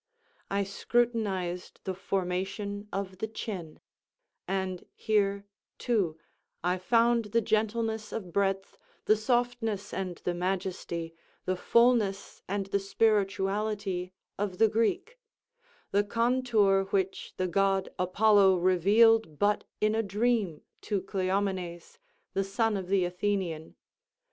I scrutinized the formation of the chin—and here, too, I found the gentleness of breadth, the softness and the majesty, the fullness and the spirituality, of the Greek—the contour which the god Apollo revealed but in a dream, to Cleomenes, the son of the Athenian.